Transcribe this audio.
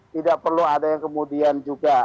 tidak perlu ada yang kemudian juga